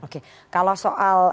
oke kalau soal